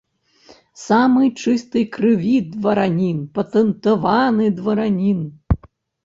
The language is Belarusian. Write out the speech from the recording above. Самай чыстай крыві дваранін, патэнтаваны дваранін.